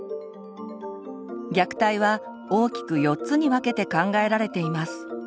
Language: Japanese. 虐待は大きく４つに分けて考えられています。